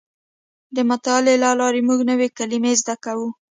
د مطالعې له لارې موږ نوې کلمې زده کوو.